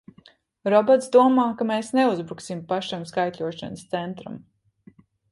Robots domā, ka mēs neuzbruksim pašam skaitļošanas centram!